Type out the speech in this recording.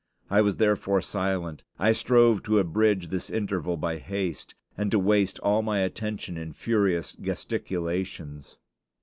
I was therefore silent. I strove to abridge this interval by haste, and to waste all my attention in furious gesticulations.